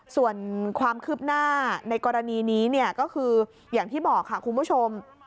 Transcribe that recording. ส่วนความคืบหน้าในกรณีนี้เนี่ยก็คืออย่างที่บอกค่ะคุณผู้ชม